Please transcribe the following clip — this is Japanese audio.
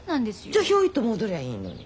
じゃあヒョイと戻りゃいいのに。